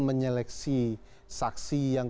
menyeleksi saksi yang